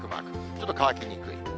ちょっと乾きにくい。